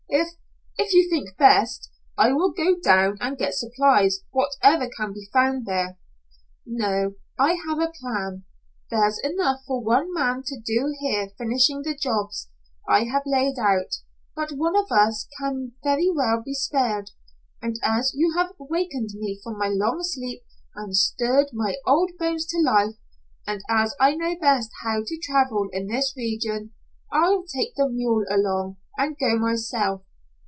If if you think best, I will go down and get supplies whatever can be found there." "No. I have a plan. There's enough for one man to do here finishing the jobs I have laid out, but one of us can very well be spared, and as you have wakened me from my long sleep, and stirred my old bones to life, and as I know best how to travel in this region, I'll take the mule along, and go myself.